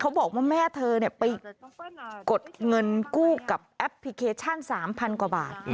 บอกว่าแม่เธอไปกดเงินกู้กับแอปพลิเคชัน๓๐๐กว่าบาท